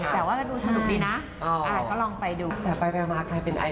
ก็จะแบ่งกันใครเป็นเจ้าใครเป็นโม